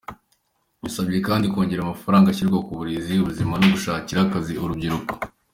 Yasabye kandi kongera amafaranga ashyirwa mu burezi, ubuzima no gushakira akazi urubyiruko.